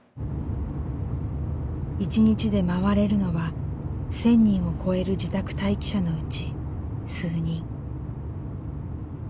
一日で回れるのは１，０００人を超える自宅待機者のうち数人。